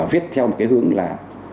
viết theo một cái hướng là